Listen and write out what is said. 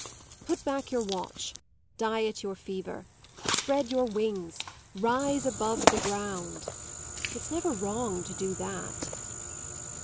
Put back your watch. Diet your fever. Spread your wings; rise above the ground. It's never wrong to do that."